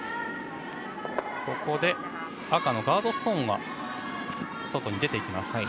ここで赤のガードストーンは外に出ます。